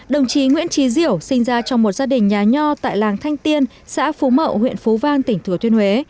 đồng chí nguyễn trí diểu sinh ra trong một gia đình nhà nho tại làng thanh tiên xã phú mậu huyện phú vang tỉnh thừa thuyên huế